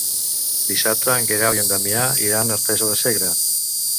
Dissabte en Guerau i en Damià iran a Artesa de Segre.